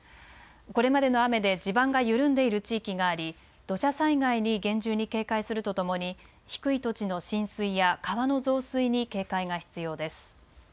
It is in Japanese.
これまでの雨で地盤が緩んでいる地域があり、土砂災害に厳重に警戒するとともに低い土地の浸水や川の増水に警戒が必要です。